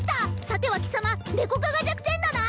さては貴様ネコ科が弱点だな！